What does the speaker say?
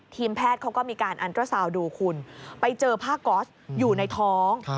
แพทย์เขาก็มีการอันเตอร์ซาวน์ดูคุณไปเจอผ้าก๊อสอยู่ในท้อง